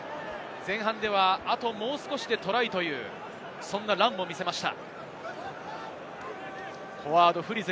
前半ではあともう少しでトライというランも見せました。